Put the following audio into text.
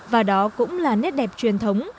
và đó cũng là nét đẹp truyền thống